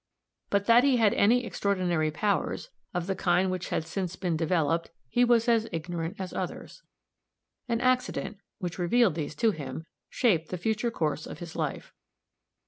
But that he had any extraordinary powers, of the kind which had since been developed, he was as ignorant as others. An accident, which revealed these to him, shaped the future course of his life.